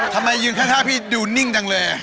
ทำไมยืนข้างพี่ดูนิ่งจังเลย